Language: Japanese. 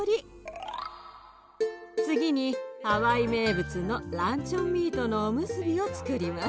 次にハワイ名物のランチョンミートのおむすびをつくります。